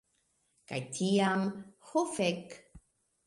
Kaj tiam... Oh fek!